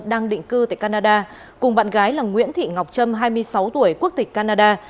đang định cư tại canada cùng bạn gái là nguyễn thị ngọc trâm hai mươi sáu tuổi quốc tịch canada